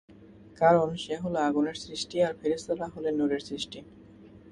কারণ সে হলো আগুনের সৃষ্টি আর ফেরেশতারা হলেন নূরের সৃষ্টি।